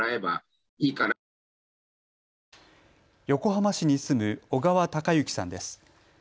横浜市に住む小川貴之さんです。